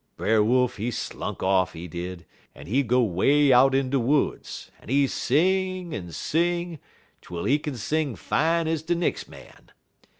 "Brer Wolf he slunk off, he did, en he go 'way out in de woods, en he sing, en sing, twel he kin sing fine ez de nex' man.